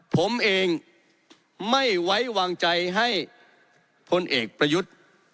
ผมเองไม่ไว้วางใจให้พลเอกประยุทธ์